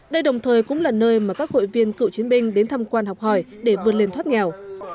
đây đồng thời cũng là nơi mà các hội viên cựu chiến binh đến thăm quan học hỏi để vươn lên thoát nghèo